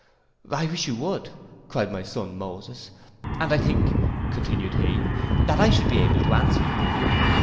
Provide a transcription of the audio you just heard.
'—'I wish you would,' cried my son Moses, 'and I think,' continued he, 'that I should be able to answer you.